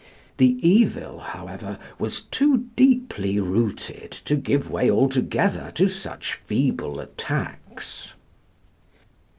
The evil, however, was too deeply rooted to give way altogether to such feeble attacks.